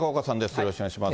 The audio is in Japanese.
よろしくお願いします。